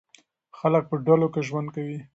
خلک په ډلو کې ژوند کوي.